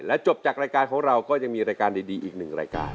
จบจากรายการของเราก็ยังมีรายการดีอีกหนึ่งรายการ